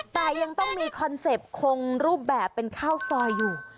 แต่ยังต้องมีคอนเซ็ปต์คงรูปแบบเป็นข้าวซอยอยู่